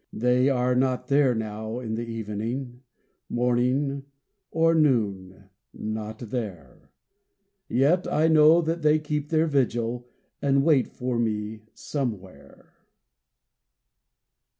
They are not there now in the evening Morning or noon not there; Yet I know that they keep their vigil, And wait for me Somewhere.